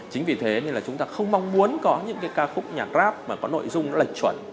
chính vì thế nên là chúng ta không mong muốn có những cái ca khúc nhạc grab mà có nội dung nó lệch chuẩn